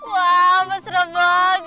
wah mbak serebogo